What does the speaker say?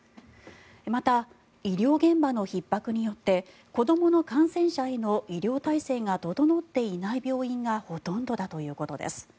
また、医療現場のひっ迫によって子どもの感染者への医療体制が整っていない病院がほとんどだということです。